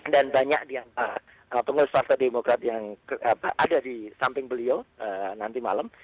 dan banyak pengusaha partai demokrat yang ada di samping beliau nanti malam